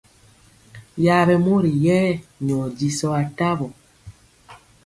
Yaɓɛ mori yɛ nyɔ jisɔ atawɔ.